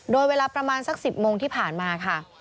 โดยเวลาประมาณสัก๑๐โมงที่ผ่านมาค่ะ